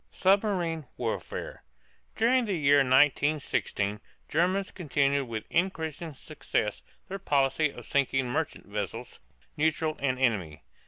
SUBMARINE WARFARE. During the year 1916 Germans continued with increasing success their policy of sinking merchant vessels, neutral and enemy.